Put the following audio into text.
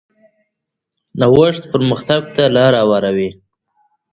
نوښت پرمختګ ته لار هواروي.